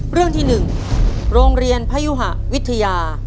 เรื่องที่๑โรงเรียนพยุหะวิทยา